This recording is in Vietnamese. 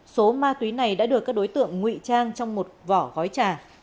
số ma túy này đã được các đối tượng ngụy trang trong một vỏ gói trà